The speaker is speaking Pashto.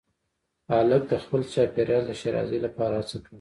هلک د خپل چاپېریال د ښېرازۍ لپاره هڅه کوي.